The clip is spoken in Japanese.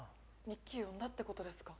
・日記読んだってことですか？